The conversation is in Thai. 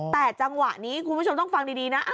แต่จังหวะนี้คุณผู้ชมต้องฟังดีนะ